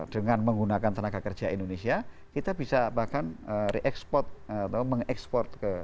dengan menggunakan tenaga kerja indonesia kita bisa bahkan re export atau mengekspor ke